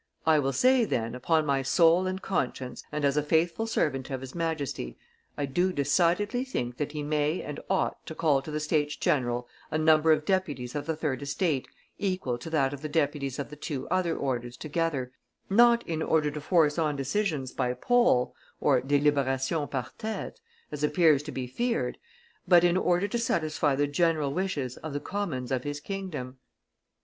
I will say, then, upon my soul and conscience, and as a faithful servant of his Majesty, I do decidedly think that he may and ought to call to the States general a number of deputies of the third estate equal to that of the deputies of the two other orders together, not in order to force on decisions by poll (deliberation par tete), as appears to be feared, but in order to satisfy the general wishes of the commons of his kingdom."